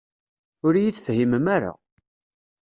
Ur iyi-tefhimem ara.